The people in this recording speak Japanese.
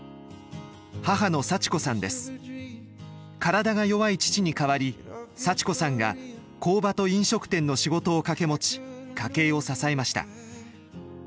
体が弱い父に代わり幸子さんが工場と飲食店の仕事を掛け持ち家計を支えました。